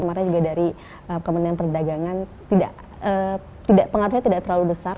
makanya juga dari kemenangan perdagangan pengaruhnya tidak terlalu besar